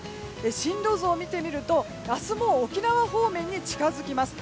進路図を見てみると明日沖縄方面に近づきます。